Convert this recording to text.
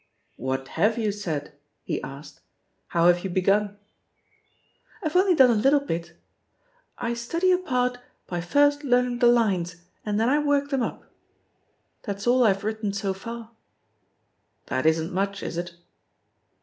"What have you said?" he asked. "How have you begun?" "IVe only done a little bit. *I study a part by first learning the lines, and then I work them up/ That's all IVe written so far." "That isn't much, is it?"